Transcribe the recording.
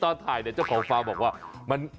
ตอนถ่ายเนี่ยเจ้าของฟาร์มบอกว่า